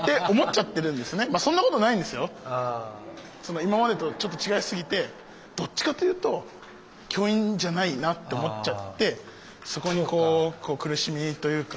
今までとちょっと違いすぎてどっちかっていうと教員じゃないなって思っちゃってそこに苦しみというか。